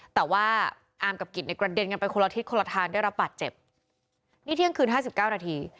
แต่ว่าอามกับกิจในกระเด็นกันไปคนละทิศคนละทางได้รับบาดเจ็บนี่เที่ยงคืนห้าสิบเก้านาที